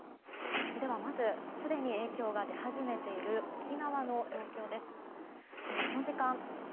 ではまず、すでに影響が出始めている沖縄の状況です。